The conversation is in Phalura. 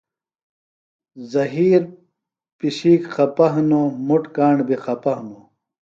زہِیر پِشِیک جبہ ہِنوۡ، مُٹ کاݨ بیۡ خپہ ہِنوۡ